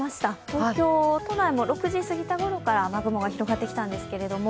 東京都内も６時過ぎたころから雨雲が広がってきたんですけど。